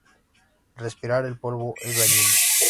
Respirar el polvo es dañino.